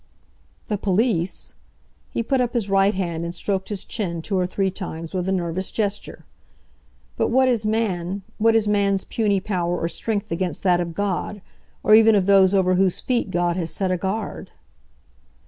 "The police?" He put up his right hand and stroked his chin two or three times with a nervous gesture. "But what is man—what is man's puny power or strength against that of God, or even of those over whose feet God has set a guard?"